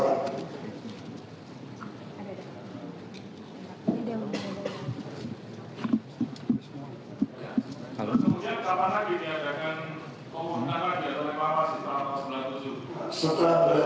kemudian kapan lagi ini adakan pemerintahan di atas pulau sembilan puluh tujuh